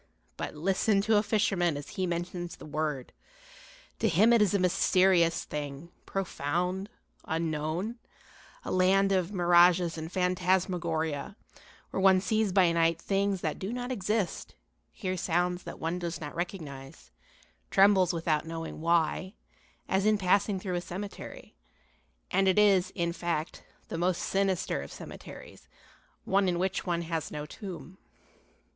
But listen to a fisherman as he mentions the word. To him it is a mysterious thing, profound, unknown, a land of mirages and phantasmagoria, where one sees by night things that do not exist, hears sounds that one does not recognize, trembles without knowing why, as in passing through a cemetery and it is, in fact, the most sinister of cemeteries, one in which one has no tomb.